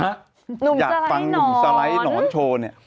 ฮะหนุ่มสไล่หนอนอยากฟังหนุ่มสไล่หนอนโชว์นี่